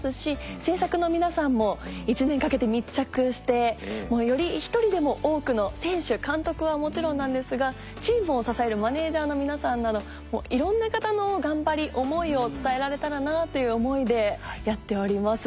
制作の皆さんも１年かけて密着してより１人でも多くの選手監督はもちろんなんですがチームを支えるマネジャーの皆さんなどいろんな方の頑張り思いを伝えられたらなっていう思いでやっております。